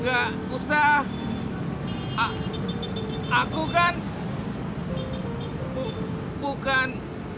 makasih ya bang udin